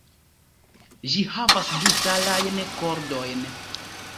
Ĝi havas du ŝtalajn kordojn.